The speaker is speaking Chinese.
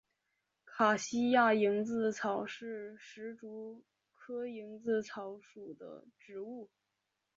卡西亚蝇子草是石竹科蝇子草属的植物。